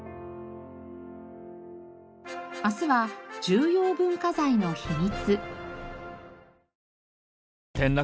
明日は重要文化財の秘密。